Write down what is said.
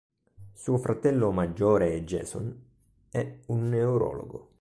Suo fratello maggiore, Jason, è un neurologo.